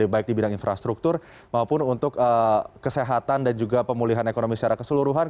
baik di bidang infrastruktur maupun untuk kesehatan dan juga pemulihan ekonomi secara keseluruhan